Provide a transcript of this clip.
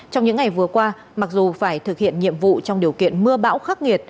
trong những ngày vừa qua mặc dù phải thực hiện nhiệm vụ trong điều kiện mưa bão khắc nghiệt